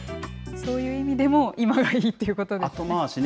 そういう意味でも、今がいいということですね。